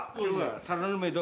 タラの芽と。